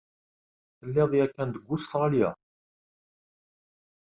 Telliḍ yakan deg Ustṛalya?